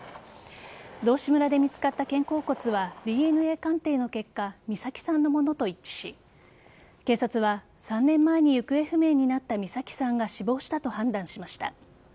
道志村で見つかった肩甲骨はＤＮＡ鑑定の結果美咲さんのものと一致し警察は３年前に行方不明になった美咲さんが死亡したと判断しました。